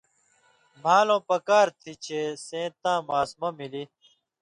مھالٶں پکار تھی چےۡ سېں تاں ماسمؤں ملیۡ